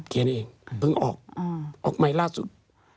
เพิ่งออกออกใหม่ล่าสุด